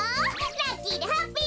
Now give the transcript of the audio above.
ラッキーでハッピー！